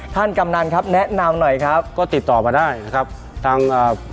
กำนันครับแนะนำหน่อยครับก็ติดต่อมาได้นะครับทางอ่า